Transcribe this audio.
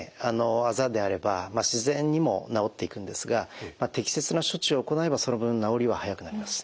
あざであれば自然に治っていくんですが適切な処置を行えばその分治りは早くなります。